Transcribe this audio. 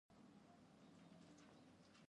د پارلمان غونډې باید پر له پسې وي.